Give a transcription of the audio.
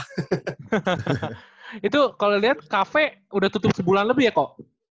hahaha itu kalau lihat kafe udah tutup sebulan lebih ya kok